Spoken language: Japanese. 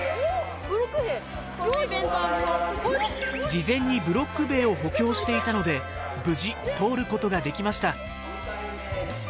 事前にブロック塀を補強していたので無事通ることができました。